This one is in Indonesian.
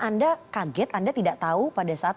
anda kaget anda tidak tahu pada saat